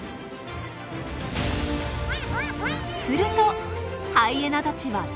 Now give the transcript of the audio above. するとハイエナたちは退散。